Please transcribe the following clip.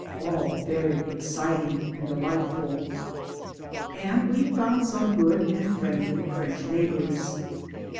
All very exciting and delightful. And we found some good and friendly French neighbours.